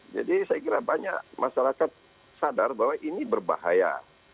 jadi saya kira banyak masyarakat sadar bahwa ini berbahaya